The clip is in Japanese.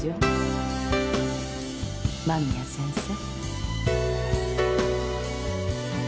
間宮先生。